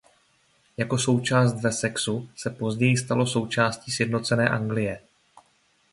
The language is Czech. Jako součást Wessexu se později stalo součástí sjednocené Anglie.